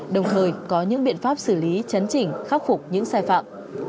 đồng thời có những biện pháp xử lý chấn chỉnh khắc phục những sai phạm